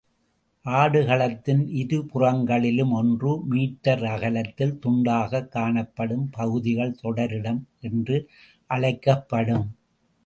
ஆடுகளத்தின் இருபுறங்களிலும் ஒன்று மீட்டர் அகலத்தில் துண்டாகக் காணப்படும் பகுதிகள் தொடரிடம் என்று அழைக்கப்படும்.